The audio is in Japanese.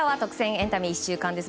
エンタメ１週間です。